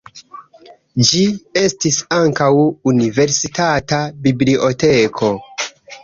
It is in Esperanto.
Ĝi estis ankaŭ universitata biblioteko.